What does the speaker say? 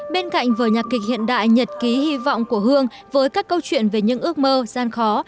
bên cạnh với nhạc kịch hiện đại nhật ký hy vọng của hương với các câu chuyện về những ước mơ gian khó